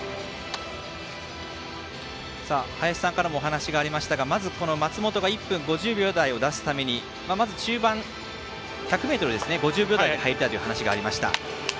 林さんからもお話がありましたがまず松元が１分５０秒台を出すためにまず中盤、１００ｍ５０秒台で入りたいという話がありました。